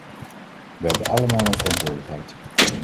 We hebben allemaal een verantwoordelijkheid.